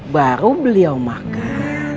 baru beliau makan